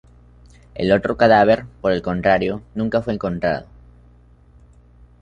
El otro cadáver, por el contrario, nunca fue encontrado.